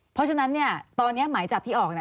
เพราะฉะนั้นเนี่ยตอนนี้หมายจับที่ออก